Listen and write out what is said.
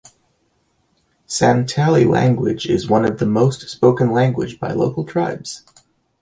Santali language is one of the most spoken language by local tribes.